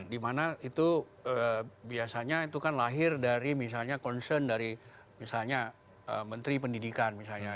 di mana itu biasanya itu kan lahir dari concern dari misalnya menteri pendidikan misalnya